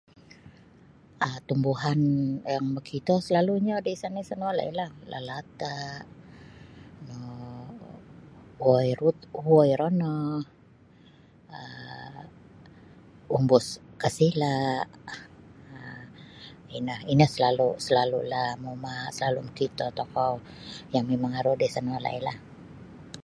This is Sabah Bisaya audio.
um Tumbuhan yang makito salalu'nyo da isan-isan walailah lalata' um kuoi rut kuoi rono um umbus kasila' um ino ino salalu' salalu'lah mauma' salalu' mokito tokou yang mimang aru da isan walailah.